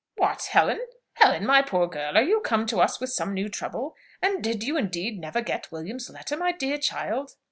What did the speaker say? "What, Helen! Helen, my poor girl, are you come to us with some new trouble? And did you indeed never get William's letter, my dear child?"